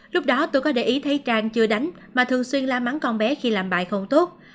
lúc đó tôi có để ý thấy trang chưa đánh mà thường xuyên la mắn con bé khi làm bài không tốt